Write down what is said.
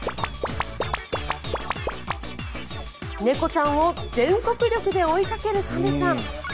猫ちゃんを全速力で追いかける亀さん。